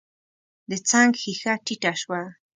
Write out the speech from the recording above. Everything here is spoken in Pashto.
د څنګ ښېښه ټيټه شوه.